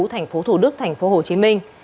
thành phố thủ đức thành phố hồ chí minh